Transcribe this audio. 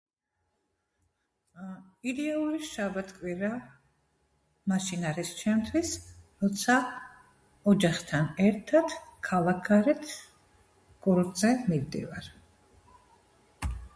იდეალური შაბათ კვირა მაშინ არი ჩემთვის როცა ოჯახთან ერთად ქალაქგარეთ კურორტზე მივდივარ